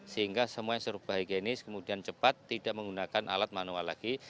sehingga semua yang serba higienis kemudian cepat tidak menggunakan alat manual lagi